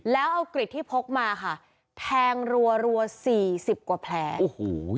แล้วเอากริดที่พกมาค่ะแทงรัวสี่สิบกว่าแผลโอ้โห